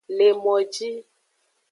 Le moji.